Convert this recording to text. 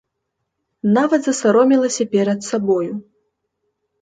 Нават засаромелася перад сабою.